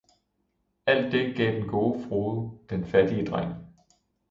Alt det gav den gode frue den fattige dreng.